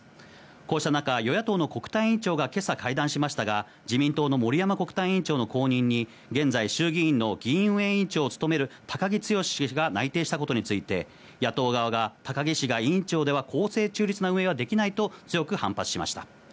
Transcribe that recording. こうした中、与野党の国対委員長が今朝会談しましたが、自民党の森山国対委員長の後任に、現在、衆議院の議院運営委員長を務める高木毅氏が内定したことについて、野党側が、高木氏が委員長では公平中立な運営はできないと強く反発しました。